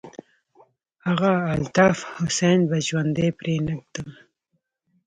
هغه الطاف حسين به ژوندى پرې نه ږدم.